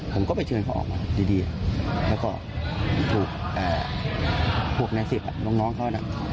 ผมก็ไปเชิญเขาออกมาดีแล้วก็ถูกพวกใน๑๐น้องเขาน่ะ